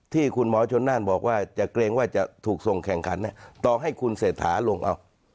ที่คุณหมอชนนั่นบอกว่าจะเกรงว่าจะถูกส่งแข่งขันต่อให้คุณเศรษฐาลงเอา